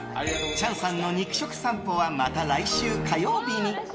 チャンさんの肉食さんぽはまだ来週火曜日に。